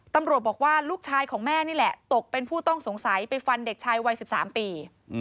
ตำรวจบอกว่าลูกชายของแม่นี่แหละตกเป็นผู้ต้องสงสัยไปฟันเด็กชายวัย๑๓ปี